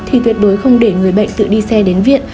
thì tuyệt đối không để người bệnh tự đi xe đến viện